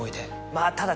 まぁただ。